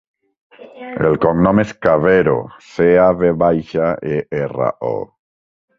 El cognom és Cavero: ce, a, ve baixa, e, erra, o.